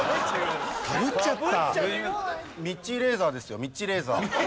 ミッチーレーザーですよミッチーレーザー。